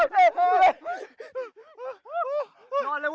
โดนใจเองก็เป็นซอมพี่ไปแล้วกันเนี่ย